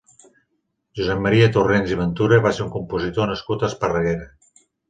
Josep Maria Torrens i Ventura va ser un compositor nascut a Esparreguera.